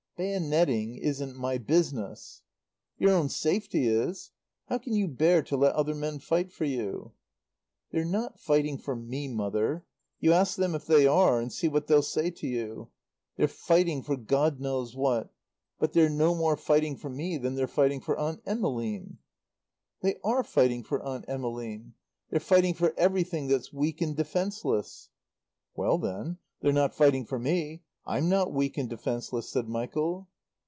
"Bayonetting isn't my business." "Your own safety is. How can you bear to let other men fight for you?" "They're not fighting for me, Mother. You ask them if they are, and see what they'll say to you. They're fighting for God knows what; but they're no more fighting for me than they're fighting for Aunt Emmeline." "They are fighting for Aunt Emmeline. They're fighting for everything that's weak and defenceless." "Well, then, they're not fighting for me. I'm not weak and defenceless," said Michael.